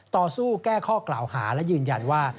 ต่อสู้แก้ข้อกล่าวหาและยืนยันว่า